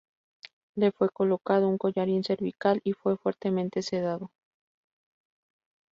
Le fue colocado un collarín cervical y fue fuertemente sedado.